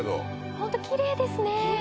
ホントきれいですね。